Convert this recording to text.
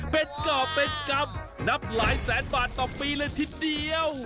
เป็นก่อเป็นกรรมนับหลายแสนบาทต่อปีเลยทีเดียว